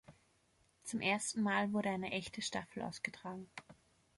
Zum ersten Mal wurde eine echte Staffel ausgetragen.